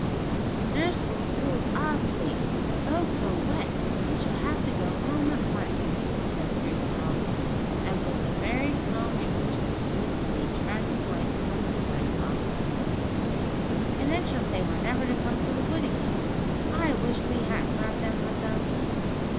'Nurse will scold awfully, they're both so wet; we shall have to go home at once,' said prudent Molly, as with very small handkerchiefs she and Betty tried to wipe some of the wet off their clothes. 'And then she'll say we're never to come to the wood again. I wish we hadn't brought them with us!'